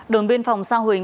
đồn biên phòng sao huỳnh